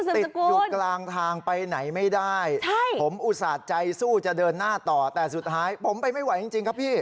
ติดอยู่กลางทางไปไหนไม่ได้ผมอุตส่าห์ใจสู้จะเดินหน้าต่อแต่สุดท้ายผมไปไม่ไหวจริงครับพี่